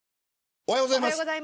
おはようございます。